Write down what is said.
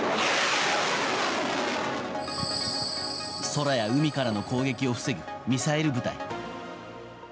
空や海からの攻撃を防ぐミサイル部隊。